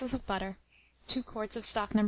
of butter, 2 quarts of stock No.